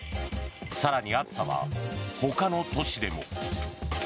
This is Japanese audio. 更に、暑さはほかの都市でも。